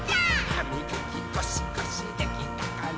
「はみがきゴシゴシできたかな？」